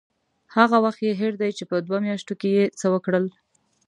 هغه وخت یې هېر دی چې په دوو میاشتو کې یې څه وکړل.